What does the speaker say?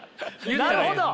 なるほど！